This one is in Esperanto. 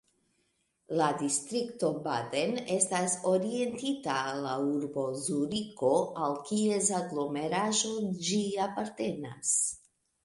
La distrikto Baden estas orientita al la urbo Zuriko al kies aglomeraĵo ĝi apartenas.